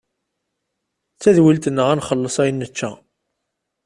D tadwilt-nneɣ ad nxelles ayen nečča.